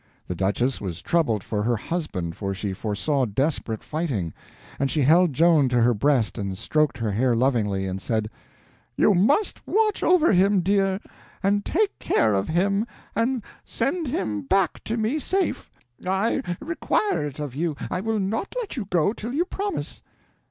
The duchess was troubled for her husband, for she foresaw desperate fighting; and she held Joan to her breast, and stroked her hair lovingly, and said: "You must watch over him, dear, and take care of him, and send him back to me safe. I require it of you; I will not let you go till you promise."